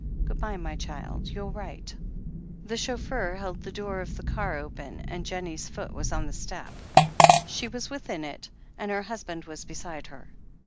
"Good bye, my child. You'll write. ..." The chauffeur held the door of the car open, and Jennie's foot was on the step. She was within it, and her husband was beside her.